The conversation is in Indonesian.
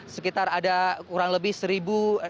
sekitar ada kurang lebih seribu